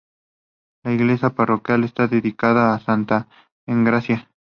La iglesia parroquial está dedicada a santa Engracia.